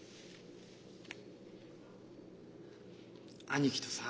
兄貴とさ。